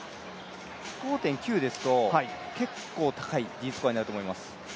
５．９ですと結構高いスコアとなると思います。